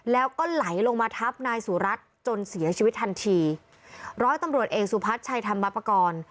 แล้วก็ไหลลงมาทับนายสุรัตน์จนเสียชีวิตทันทีร้อยตำรวจเอกสุพัฒน์ชัยธรรมปกรณ์